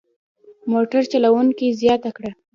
موټر چلوونکي زیاته کړه.